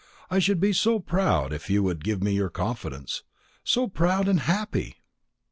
I should be so proud if you would give me your confidence so proud and happy!"